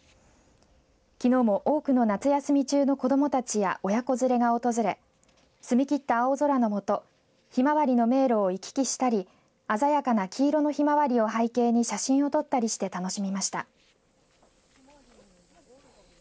きのうも多くの夏休み中の子どもたちや親子連れが訪れ澄み切った青空の下ヒマワリの迷路を行き来したり鮮やかな黄色のヒマワリを背景に写真を撮ったりして楽しみました。